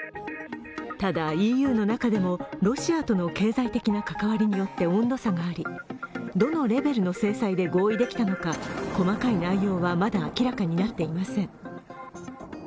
ただ、ＥＵの中でもロシアとの経済的な関わりによって温度差があり温度差があり、どのレベルの制裁で合意できたのか細かい内容はまだ明らかになっていません。